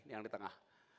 yang di tengah